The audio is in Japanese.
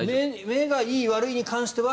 目がいい悪いに関しては